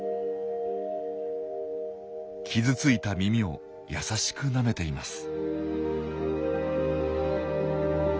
傷ついた耳を優しくなめています。